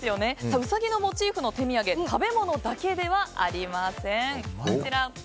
ウサギのモチーフの手土産食べ物だけではありません。